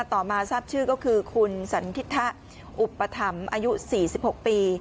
ต่อมาทราบชื่อก็คือคุณสันทิทะอุปถัมภ์อายุ๔๖ปี